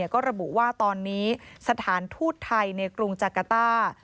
ก็ระบุว่าตอนนี้สถานทูตไทยในกรุงจากาต้า